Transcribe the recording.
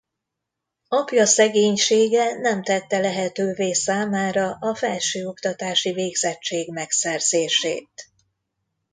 Apja szegénysége nem tette lehetővé számára a felsőoktatási végzettség megszerzését.